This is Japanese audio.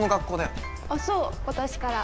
あっそう今年から。